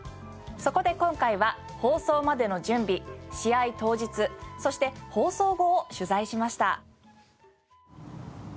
そこで今回は放送までの準備試合当日そして放送後を取材しました。